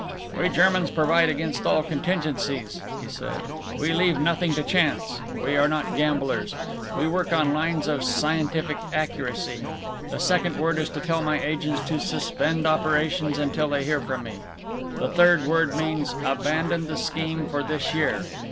"We Germans provide against all contingencies," he said, "we leave nothing to chance. We are not gamblers. We work on lines of scientific accuracy. The second word is to tell my agents to suspend operations until they hear from me. The third word means 'Abandon the scheme for this year'!